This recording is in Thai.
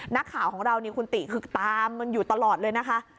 นักข่าวของเรานี่คุณติคือตามมันอยู่ตลอดเลยนะคะ